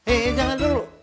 eh jangan dulu